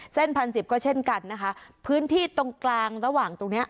เส้นพันสิบก็เช่นกันนะคะพื้นที่ตรงกลางระหว่างตรงเนี้ย